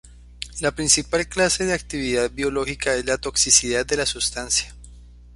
La principal clase de actividad biológica es la toxicidad de la sustancia.